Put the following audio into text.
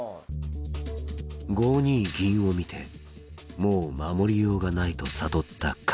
５二銀を見てもう守りようがないと悟った加藤。